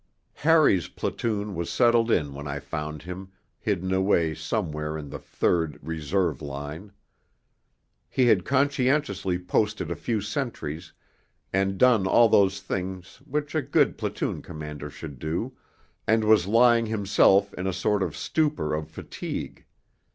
III Harry's platoon was settled in when I found him, hidden away somewhere in the third (Reserve) line. He had conscientiously posted a few sentries, and done all those things which a good platoon commander should do, and was lying himself in a sort of stupor of fatigue.